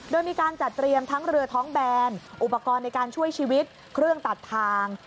โดยมีการจัดเตรียมทั้งเรือท้องแบนอุปกรณ์ในการช่วยชีวิตเครื่องตัดทาง